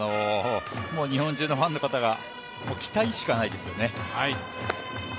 日本中のファンの方が、もう期待しかないですよね。